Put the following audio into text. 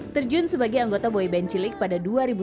terjun sebagai anggota boy band cilik pada dua ribu sebelas